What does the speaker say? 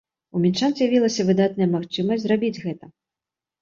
У мінчан з'явілася выдатная магчымасць зрабіць гэта!